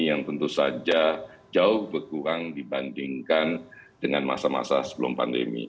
yang tentu saja jauh berkurang dibandingkan dengan masa masa sebelum pandemi